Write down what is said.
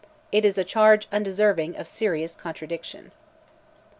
It is a charge undeserving of serious contradiction.